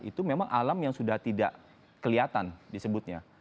itu memang alam yang sudah tidak kelihatan disebutnya